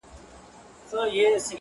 • عبدالباري حهاني,